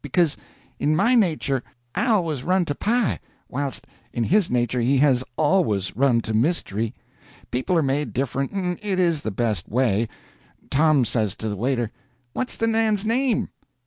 Because in my nature I have always run to pie, whilst in his nature he has always run to mystery. People are made different. And it is the best way. Tom says to the waiter: "What's the man's name?"